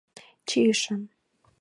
Чийышым.